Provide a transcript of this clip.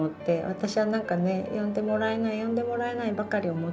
私は何かね呼んでもらえない呼んでもらえないばかり思ってて。